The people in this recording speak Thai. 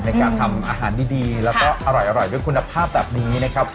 ในการทำอาหารดีแล้วก็อร่อยด้วยคุณภาพแบบนี้นะครับ